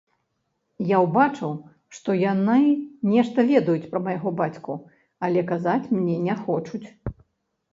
Я ўбачыў, што яны нешта ведаюць пра майго бацьку, але казаць мне не хочуць.